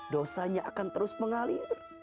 dosanya akan terus mengalir